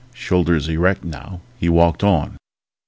Shoulders erect now, he walked on